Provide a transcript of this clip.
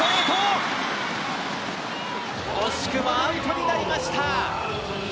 しかし惜しくもアウトになりました。